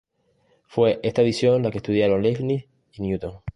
Fue esta edición la que estudiaron Leibniz y Newton.